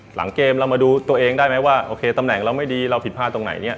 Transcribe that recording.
หลังเกมเรามาดูตัวเองได้ไหมว่าโอเคตำแหน่งเราไม่ดีเราผิดพลาดตรงไหนเนี่ย